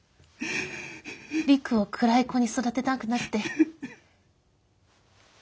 璃久を暗い子に育てたくなくて。